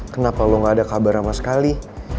kenapa lo gak ada kabar sama sekali